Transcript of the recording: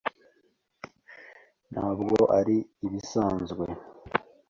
Ntabwo ari ibisanzwe